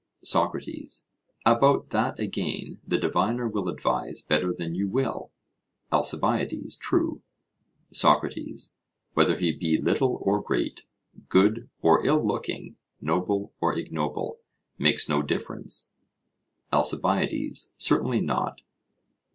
SOCRATES: About that again the diviner will advise better than you will? ALCIBIADES: True. SOCRATES: Whether he be little or great, good or ill looking, noble or ignoble makes no difference. ALCIBIADES: Certainly not.